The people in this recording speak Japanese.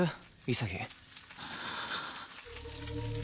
潔。